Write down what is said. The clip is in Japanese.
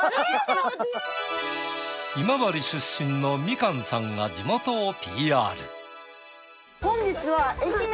今治出身のみかんさんが地元をＰＲ。